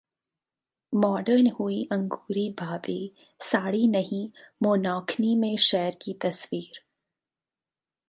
modern हुईं अंगूरी भाभी, साड़ी नहीं मोनॉकनी में शेयर की तस्वीर